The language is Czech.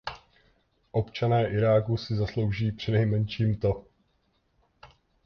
Občané Iráku si zaslouží přinejmenším to.